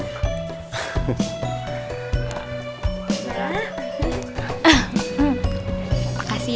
ya makasih mas ya